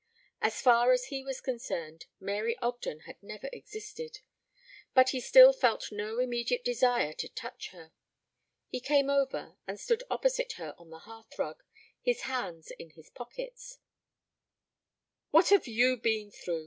As far as he was concerned Mary Ogden had never existed. But he still felt no immediate desire to touch her. He came over and stood opposite her on the hearthrug, his hands in his pockets. "What have you been through?"